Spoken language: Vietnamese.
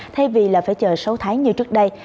thay vì là phải chờ sáu tháng như trước đây